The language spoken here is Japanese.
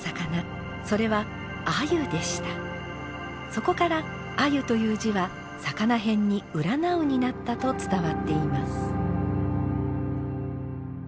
そこから鮎という字は魚偏に「占う」になったと伝わっています。